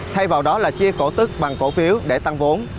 thay vào đó là chia cổ tức bằng cổ phiếu để tăng vốn